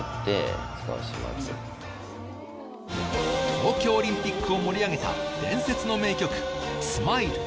東京オリンピックを盛り上げた伝説の名曲『ＳＭＩＬＥ